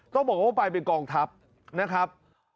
ต้องบอกว่าไปเป็นกองทัพนะครับ